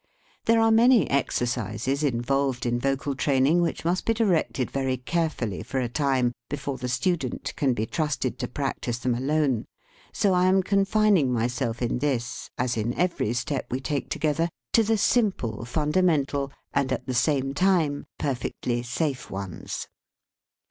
There are many exercises involved in 23 THE SPEAKING VOICE vocal training which must be directed very carefully for a time, before the student can be trusted to practise them alone; so I am confining myself in this, as in every step we take together, to the simple, fundamental, and at the same time perfectly safe ones.